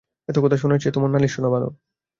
এত কথা শোনার চেয়ে তোমার নালিশ শোনা ভালো।